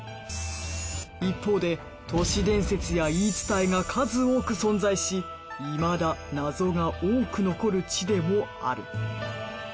一方で都市伝説や言い伝えが数多く存在しいまだ謎が多く残る地でもある。